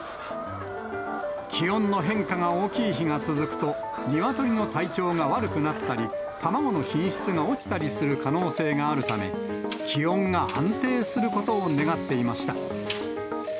気温の変化が大きい日が続くと、ニワトリの体調が悪くなったり、卵の品質が落ちたりする可能性があるため、気温が安定することを願っていました。